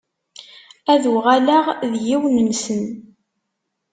Ad uɣaleɣ d yiwen-nnsen.